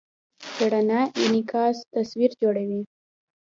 د رڼا انعکاس تصویر جوړوي.